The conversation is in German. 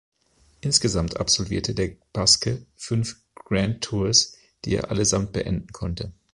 Insgesamt absolvierte der Baske fünf Grand Tours, die er allesamt beenden konnte.